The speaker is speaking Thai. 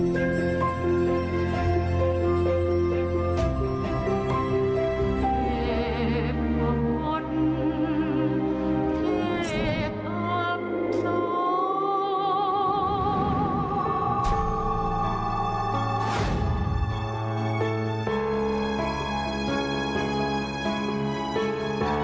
ท่านผู้ชมครับ